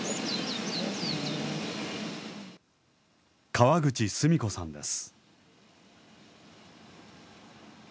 川口スミ子さんです。